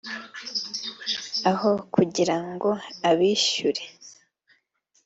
aho kugirango abishyure